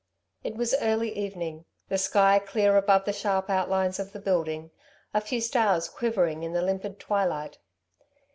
It was early evening, the sky clear above the sharp outlines of the building, a few stars quivering in the limpid twilight.